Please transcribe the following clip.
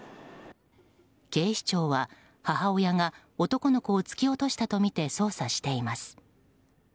警視庁は、母親が男の子を突き落したとみて捜査しています。